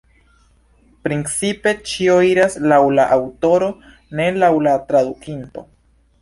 Principe ĉio iras laŭ la aŭtoro, ne laŭ la tradukinto.